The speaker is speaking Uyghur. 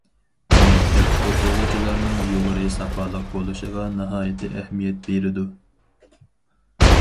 مەكتەپ ئوقۇغۇچىلارنىڭ يۇقىرى ساپالىق بولۇشىغا ناھايىتى ئەھمىيەت بېرىدۇ.